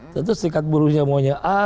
tentu serikat buruhnya maunya